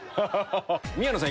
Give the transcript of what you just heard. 宮野さん